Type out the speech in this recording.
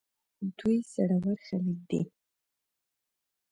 دوی زړه ور خلک دي.